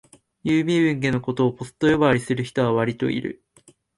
郵便受けのことをポストと呼ぶ人はわりといる